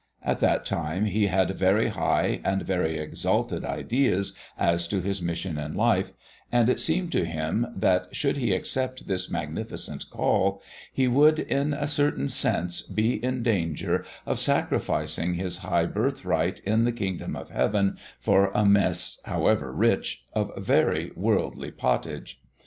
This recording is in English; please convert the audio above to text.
At that time he had very high and very exalted ideas as to his mission in life, and it seemed to him that, should he accept this magnificent call, he would, in a certain sense, be in danger of sacrificing his high birthright in the kingdom of heaven for a mess however rich of very worldly pottage.